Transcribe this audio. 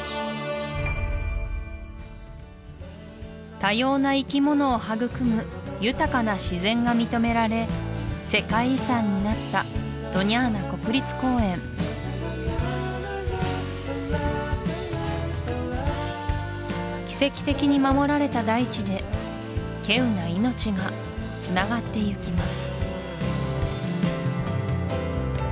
多様な生きものを育む豊かな自然が認められ世界遺産になったドニャーナ国立公園奇跡的に守られた大地で稀有な命が繋がってゆきます